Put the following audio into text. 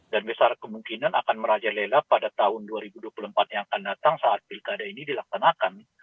dan besar kemungkinan akan merajalela pada tahun dua ribu dua puluh empat yang akan datang saat pilgada ini dilaksanakan